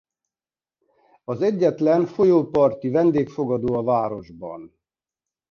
Az egyetlen folyóparti vendégfogadó a városban.